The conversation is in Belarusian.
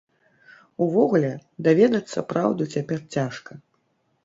Увогуле, даведацца праўду цяпер цяжка.